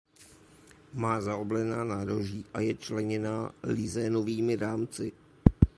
Má zaoblená nároží a je členěná lizénovými rámci.